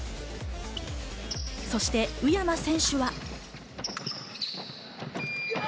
そして宇山選手は。